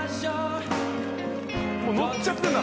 もうノっちゃってんだ。